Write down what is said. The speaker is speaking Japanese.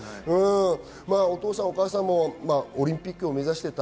お父さんやお母さんもオリンピックを目指していた。